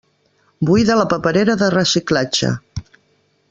Buida la paperera de reciclatge.